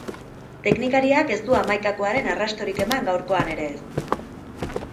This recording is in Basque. Teknikariak ez du hamaikakoaren arrastorik eman gaurkoan ere ez.